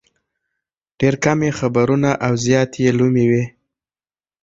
ډېر کم یې خبرونه او زیات یې لومې وي.